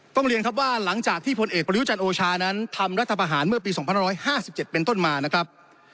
เรียนครับว่าหลังจากที่พลเอกประยุจันทร์โอชานั้นทำรัฐประหารเมื่อปี๒๕๕๗เป็นต้นมานะครับ